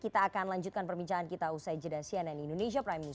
kita akan lanjutkan perbincangan kita usai jeda cnn indonesia prime news